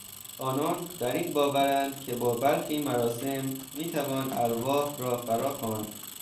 آنان بر این باورند که با برخی مراسم میتوان ارواح را فراخواند.